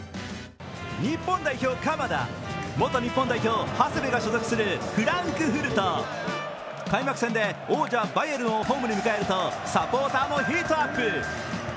日本代表・鎌田、元日本代表・長谷部が所属するフランクフルト、開幕戦で王者・バイエルンをホームに迎えるとサポーターもヒートアップ。